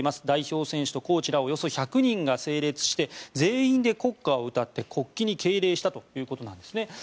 代表選手やコーチらおよそ１００人が整列して、全員で国歌を歌って国旗に敬礼したということです。